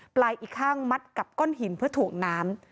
อีกข้างมัดกับก้อนหินเพื่อถ่วงน้ำ